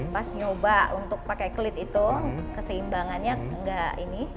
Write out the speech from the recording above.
pas nyoba untuk pakai kulit itu keseimbangannya nggak ini